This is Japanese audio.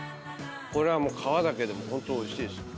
これはもう皮だけでもホントおいしいですよ。